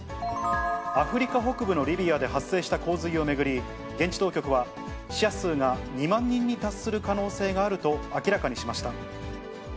アフリカ北部のリビアで発生した洪水を巡り、現地当局は、死者数が２万人に達する可能性があると明らかにしました。